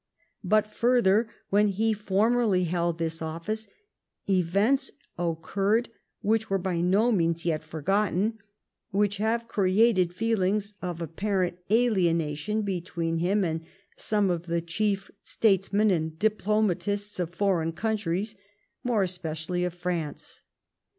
But, farther, when he formerly held this office, events occurred which were by no means yet forgotten, which have created feelings of appA> rent alienation between him and some of the chief statesmen and diplo matists of foreign countries, more especially of France.